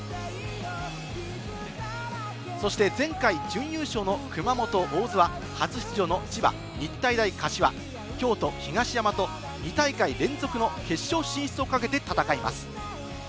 前回準優勝の熊本・大津は、初出場の千葉・日体大柏、京都・東山と２大会連続の決勝進出をかけて戦います。